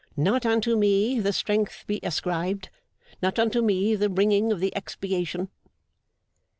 Not unto me the strength be ascribed; not unto me the wringing of the expiation!